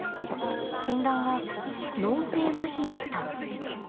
診断は脳性まひでした。